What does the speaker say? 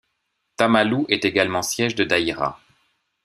Tamalous est également siège de daïra.